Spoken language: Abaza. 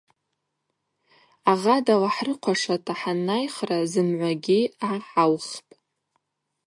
Агъа далахӏрыхъвашата хӏаннайхра зымгӏвагьи гӏахӏаухпӏ.